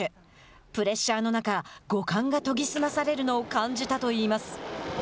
プレッシャーの中五感が研ぎ澄まされるのを感じたといいます。